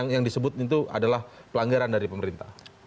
yang disebut itu adalah pelanggaran dari pemerintah